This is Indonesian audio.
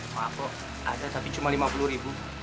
maaf pak ada tapi cuma lima puluh ribu